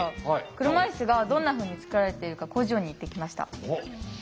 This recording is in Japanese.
車いすがどんなふうに作られているか工場に行ってきました。